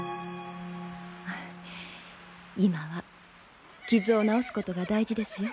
今は傷を治すことが大事ですよ。